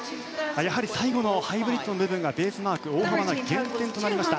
やはり最後のハイブリッドの部分がベースマーク大幅な減点となりました。